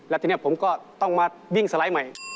แล้วทีนี้ผมก็ต้องมาวิ่งสไลด์ใหม่